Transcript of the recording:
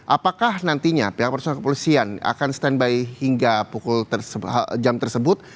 apakah nantinya pihak perusahaan kepolisian akan standby hingga pukul jam tersebut